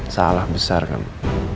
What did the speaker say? salah besar kamu